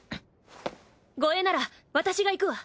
護衛なら私が行くわ。